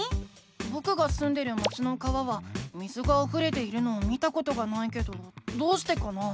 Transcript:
ぼくがすんでる町の川は水があふれているのを見たことがないけどどうしてかな？